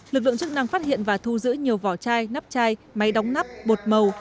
lực lượng chức năng phát hiện và thu giữ nhiều vỏ chai nắp chai máy đóng nắp bột màu